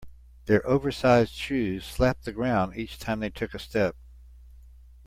Their oversized shoes slapped the ground each time they took a step.